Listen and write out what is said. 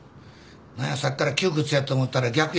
何やさっきから窮屈やと思うたら逆やった。